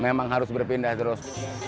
memang harus berpindah terus